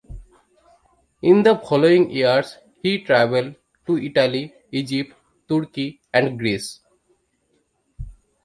In the following years he travelled to Italy, Egypt, Turkey and Greece.